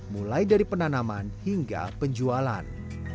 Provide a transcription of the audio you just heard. mulai dari penanaman hingga penjualan